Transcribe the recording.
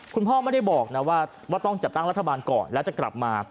คุณพ่อไม่ได้บอกนะว่าต้องจัดตั้งรัฐบาลก่อนแล้วจะกลับมา